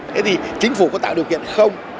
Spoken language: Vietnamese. thế thì chính phủ có tạo điều kiện không